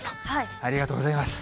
ありがとうございます。